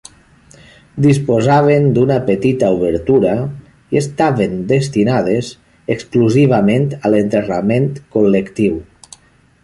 Disposaven d'una petita obertura, i estaven destinades exclusivament a l'enterrament col·lectiu.